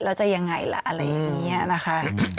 แล้วจะยังไงล่ะอะไรอย่างนี้นะคะ